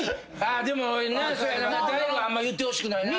でも大悟はあんま言ってほしくないな。